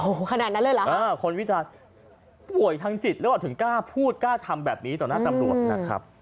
โอ้โหขนาดนั้นเลยเหรอคะคนวิจารณ์ป่วยทางจิตหรือเปล่าถึงกล้าพูดกล้าทำแบบนี้ต่อหน้าตำรวจนะครับ